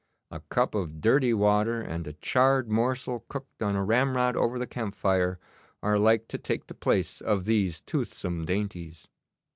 A cup of dirty water and a charred morsel cooked on a ramrod over the camp fire are like to take the place of these toothsome dainties.